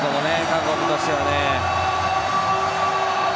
韓国としてはね。